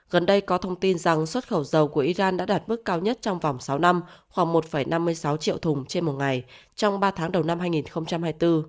gần đây có thông tin rằng xuất khẩu dầu của iran đã đạt mức cao nhất trong vòng sáu năm khoảng một năm mươi sáu triệu thùng trên một ngày trong ba tháng đầu năm hai nghìn hai mươi bốn